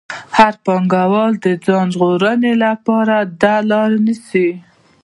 هر پانګوال د ځان ژغورنې لپاره دا لار نیسي